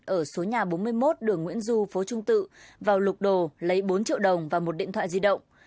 ở số nhà bốn mươi một đường nguyễn du phố trung tự vào lục đồ lấy bốn triệu đồng và một điện thoại di động